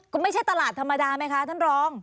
คุณไม่ใช่ตลาดธรรมดาไหมคะท่านรอง